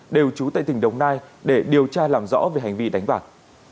đều trú tại tỉnh đồng nai để điều tra làm rõ về hành vi đánh bạc